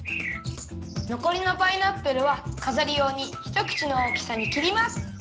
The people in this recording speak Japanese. のこりのパイナップルはかざりようにひとくちのおおきさにきります。